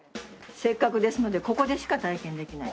せっかくですのでここでしか体験できない。